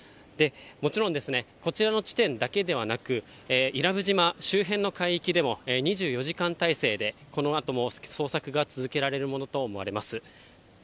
もちろんですね、こちらの地点だけではなく、伊良部島周辺の海域でも２４時間態勢で、このあとも捜索が続けられるものと思われます。